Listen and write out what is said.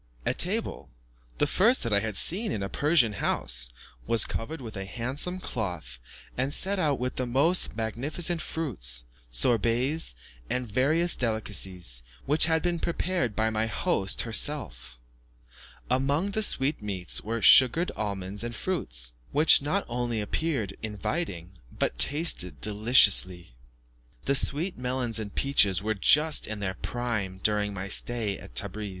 A table, the first that I had seen in a Persian house, was covered with a handsome cloth, and set out with the most magnificent fruits, sherbets, and various delicacies, which had been prepared by my host herself; among the sweetmeats were sugared almonds and fruits, which not only appeared inviting, but tasted deliciously. The sweet melons and peaches were just in their prime during my stay at Tebris.